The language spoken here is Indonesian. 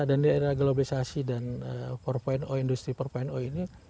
dan di daerah globalisasi dan empat industri empat ini